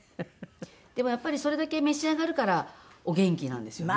でもやっぱりそれだけ召し上がるからお元気なんですよね。